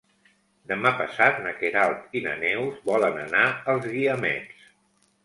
Demà passat na Queralt i na Neus volen anar als Guiamets.